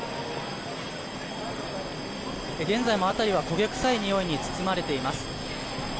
現在も辺りは焦げ臭い匂いに包まれています。